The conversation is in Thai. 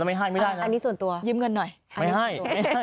ไม่ให้ไม่ได้นะอันนี้ส่วนตัวยืมเงินหน่อยไม่ให้